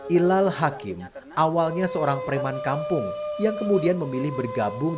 ilal hakim awalnya seorang preman kampung yang kemudian memilih bergabung